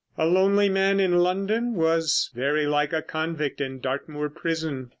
A lonely man in London was very like a convict in Dartmoor prison.